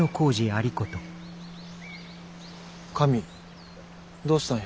髪どうしたんや。